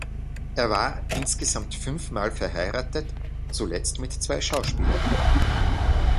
Er war insgesamt fünf Mal verheiratet, zuletzt mit zwei Schauspielerinnen.